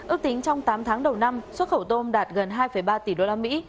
ước tính trong tám tháng đầu năm xuất khẩu tôm đạt gần hai ba tỷ đô la mỹ